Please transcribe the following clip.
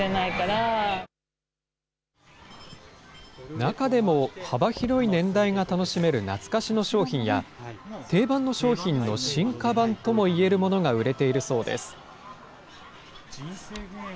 中でも幅広い年代が楽しめる懐かしの商品や、定番の商品の進化版ともいえるものが売れているそうです。